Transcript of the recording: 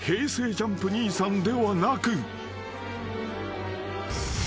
ＪＵＭＰ兄さんではなく］